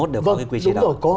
được có cái quy chế đó